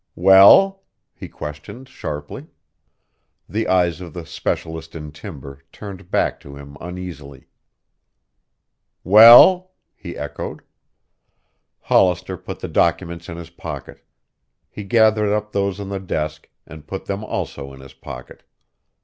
"Well?" he questioned sharply. The eyes of the specialist in timber turned back to him uneasily. "Well?" he echoed. Hollister put the documents in his pocket. He gathered up those on the desk and put them also in his pocket.